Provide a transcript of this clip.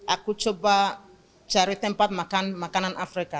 aku coba cari tempat makan makanan afrika